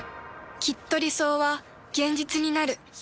きっと理想は現実になる。